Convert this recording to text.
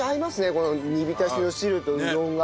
この煮浸しの汁とうどんが。